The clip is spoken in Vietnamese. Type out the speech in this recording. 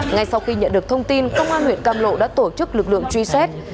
ngay sau khi nhận được thông tin công an huyện cam lộ đã tổ chức lực lượng truy xét